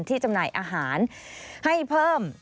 จำหน่ายอาหารให้เพิ่ม